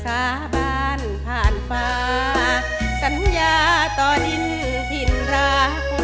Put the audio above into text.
สาบานผ่านฟ้าสัญญาต่อดินถิ่นรัก